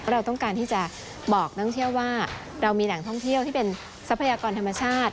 เราต้องการที่จะบอกนักท่องเที่ยวว่าเรามีแหล่งท่องเที่ยวที่เป็นทรัพยากรธรรมชาติ